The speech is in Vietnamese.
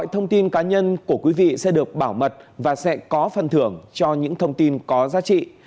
mọi thông tin cá nhân của quý vị sẽ được bảo mật và sẽ có phần thưởng cho những thông tin có giá trị